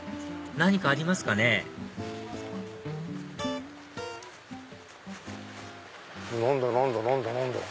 何かありますかね何だ？